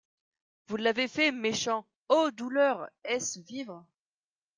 Vous l’avez fait méchant! — Ô douleur ! est-ce vivre?